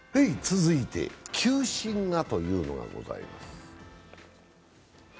続いて「球審が」というのがございます。